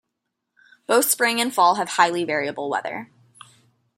Both spring and fall have highly variable weather.